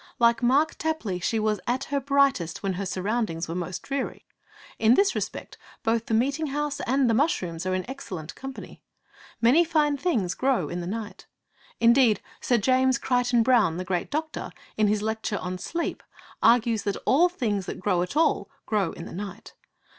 Like Mark Tapley, she was at her brightest when her surroundings were most dreary. In this respect both the meeting house and the mushrooms are in excellent company. Many fine things grow in the night. Indeed, Sir James Crichton Browne, the great doctor, in his lecture on 'Sleep,' argues that all things that grow at all grow in the night.